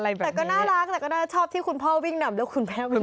แต่ก็น่ารักแต่ก็น่าชอบที่คุณพ่อวิ่งนำแล้วคุณแม่วิ่ง